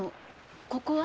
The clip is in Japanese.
ここは？